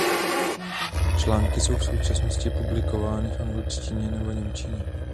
Články jsou v současnosti publikovány v angličtině nebo němčině.